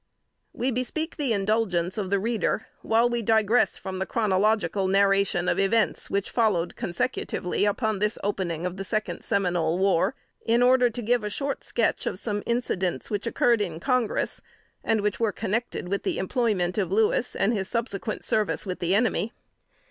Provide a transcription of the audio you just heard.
[Sidenote: 1847.] We bespeak the indulgence of the reader, while we digress from the chronological narration of events which followed consecutively upon this opening of the second Seminole War, in order to give a short sketch of some incidents which occurred in Congress, and were connected with the employment of Louis, and his subsequent service with the enemy.